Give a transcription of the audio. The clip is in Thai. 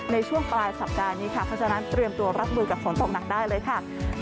ในช่วงปลายสัปดาห์นี้ค่ะเพราะฉะนั้นเตรียมตัวรับมือกับฝนตกหนักได้เลยค่ะ